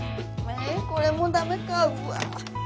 これもダメかうわ。